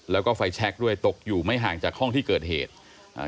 แล้วก็ไฟแชคด้วยตกอยู่ไม่ห่างจากห้องที่เกิดเหตุอ่า